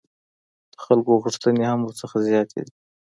د خلکو غوښتنې هم ورڅخه زیاتې دي.